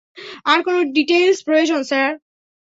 আর কোনো ডিটেইলস প্রয়োজন, স্যার?